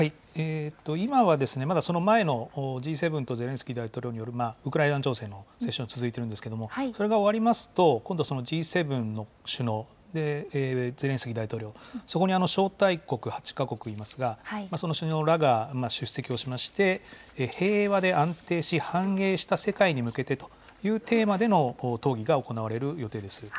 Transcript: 今はまだその前のＧ７とゼレンスキー大統領によるウクライナ情勢のセッション続いてるんですけれども、それが終わりますと、今度はＧ７の首脳、ゼレンスキー大統領、そこに招待国８か国いますが、その首脳らが出席をしまして、平和で安定し、繁栄した世界に向けてというテーマでの討議が行われる予定です。